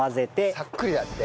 さっくりだって。